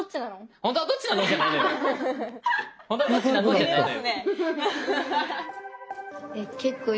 「本当はどっちなの？」じゃないのよ。